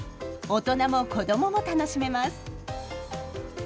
大人も子どもも楽しめます。